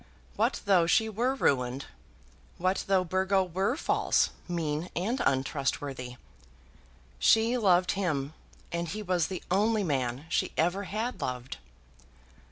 What though she were ruined? What though Burgo were false, mean, and untrustworthy? She loved him, and he was the only man she ever had loved!